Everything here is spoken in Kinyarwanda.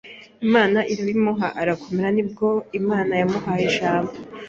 Imana irabimuha arakomera Nibwo Imana yamuhaye ijambo